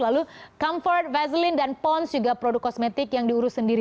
lalu comfort facelin dan pons juga produk kosmetik yang diurus sendiri